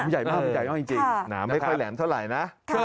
หนาไม่ค่อยแหลมเท่าไหร่นะ